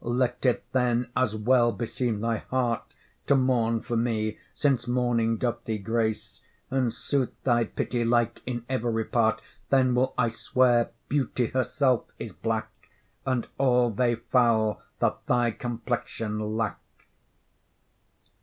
let it then as well beseem thy heart To mourn for me since mourning doth thee grace, And suit thy pity like in every part. Then will I swear beauty herself is black, And all they foul that thy complexion lack.